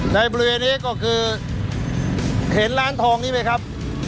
ในบริเวณนี้ก็คือเห็นร้านทองนี้ไหมครับ